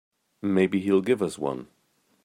Maybe he'll give us one.